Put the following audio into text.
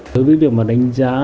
đối với việc mà đánh giá